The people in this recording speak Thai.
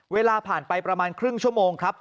เวลาผ่านไปประมาณครึ่งชั่วโมงครับ